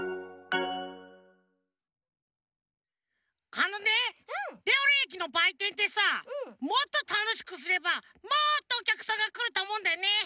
あのねレオレオえきのばいてんってさもっとたのしくすればもっとおきゃくさんがくるとおもうんだよね。